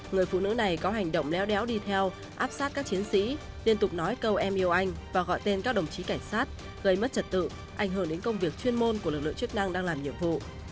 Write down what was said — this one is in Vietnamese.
người phụ nữ này có hành động léo đéo đi theo áp sát các chiến sĩ liên tục nói câu em yêu anh và gọi tên các đồng chí cảnh sát gây mất trật tự ảnh hưởng đến công việc chuyên môn của lực lượng chức năng đang làm nhiệm vụ